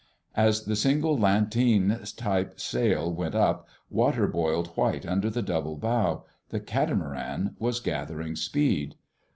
As the single, lanteen type sail went up, water boiled white under the double bow. The catamaran was gathering speed.